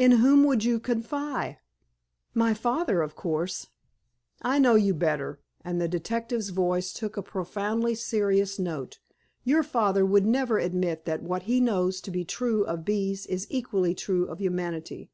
"In whom would you confide?" "My father, of course." "I know you better," and the detective's voice took on a profoundly serious note. "Your father would never admit that what he knows to be true of bees is equally true of humanity.